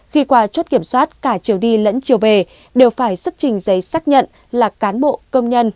khi qua chốt kiểm soát cả chiều đi lẫn chiều về đều phải xuất trình giấy xác nhận là cán bộ công nhân